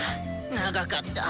長かった。